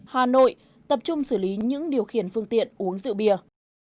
hà nội tập trung xử lý những điều khiển phương tiện uống rượu bia